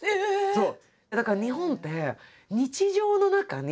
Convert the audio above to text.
そう。